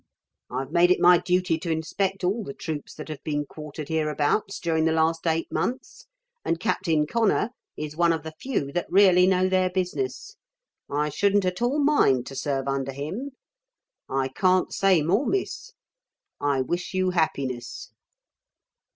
I've made it my duty to inspect all the troops that have been quartered hereabouts during the last eight months. And Captain Connor is one of the few that really know their business. I shouldn't at all mind to serve under him. I can't say more, Miss. I wish you happiness."